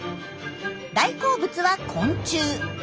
大好物は昆虫。